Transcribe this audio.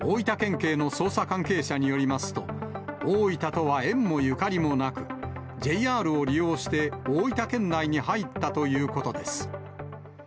警の捜査関係者によりますと、大分とは縁もゆかりもなく、ＪＲを利用して大分県内に入ったということです。